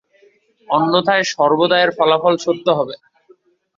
অনথ্যায় সর্বদা এর ফলাফল সত্য হবে।